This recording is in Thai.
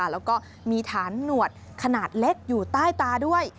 แล้วก็มีฐานหนวดขนาดเล็กอยู่ใต้ตาด้วย